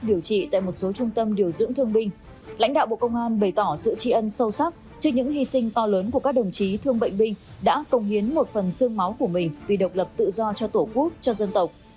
điều trị tại một số trung tâm điều dưỡng thương binh lãnh đạo bộ công an bày tỏ sự tri ân sâu sắc trước những hy sinh to lớn của các đồng chí thương bệnh binh đã công hiến một phần sương máu của mình vì độc lập tự do cho tổ quốc cho dân tộc